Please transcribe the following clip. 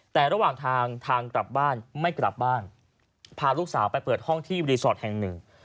แต่ระหว่างทางทางกลับบ้านไม่กลับบ้านพาลูกสาวไปเปิดห้องที่รีสอร์ทแห่งหนึ่ง